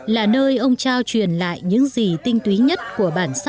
là nơi ông trao truyền lại những gì tinh túy nhất của bản sắc quê hương